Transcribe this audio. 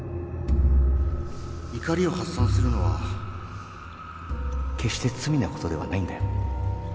怒りを発散するのは決して罪なことではないんだよ